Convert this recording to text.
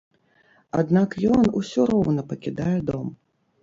Аднак ён усё роўна пакідае дом.